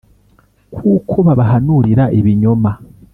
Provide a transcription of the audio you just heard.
Kuko babahanurira ibinyoma